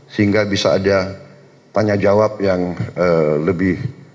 sehingga bisa ada tanya jawab yang lebih